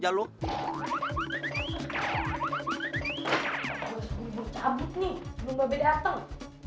sebelum babe dateng